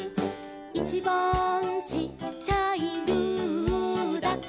「いちばんちっちゃい」「ルーだから」